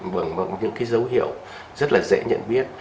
vâng những cái dấu hiệu rất là dễ nhận biết